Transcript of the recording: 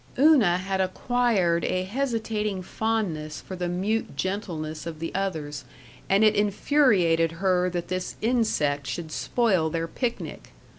Una had acquired a hesitating fondness for the mute gentleness of the others, and it infuriated her that this insect should spoil their picnic.